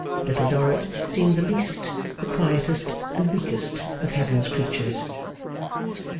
Little Dorrit seemed the least, the quietest, and weakest of Heaven's creatures.